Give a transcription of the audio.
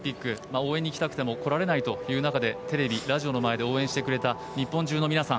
応援に来たくても来られないという中でテレビ、ラジオの前で応援してくれた日本中の皆さん